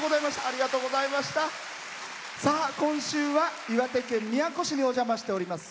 今週は岩手県宮古市にお邪魔しております。